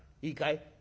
いいかい？